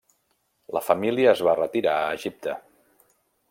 La família es va retirar a Egipte.